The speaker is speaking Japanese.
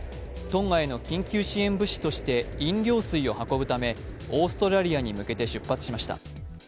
トンガへの緊急支援物資として飲料水を運ぶためオーストラリアに向けて出発しました。